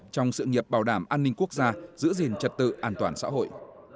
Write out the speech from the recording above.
trong sự nghiệp bảo đảm an ninh quốc gia giữ gìn trật tự an toàn xã hội